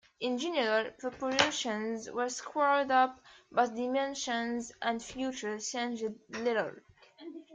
In general, proportions were squared up but dimensions and features changed little.